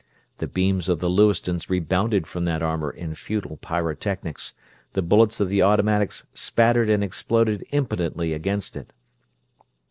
The beams of the Lewistons rebounded from that armor in futile pyrotechnics, the bullets of the automatics spattered and exploded impotently against it.